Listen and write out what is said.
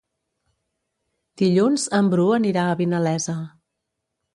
Dilluns en Bru anirà a Vinalesa.